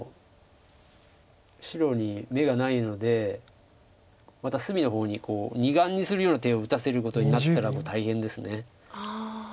白に眼がないのでまた隅の方に２眼にするような手を打たせることになったらこれ大変です。